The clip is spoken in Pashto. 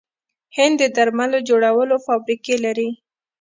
هند د درملو جوړولو فابریکې لري.